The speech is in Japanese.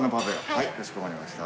はいかしこまりました。